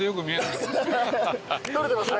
撮れてますね。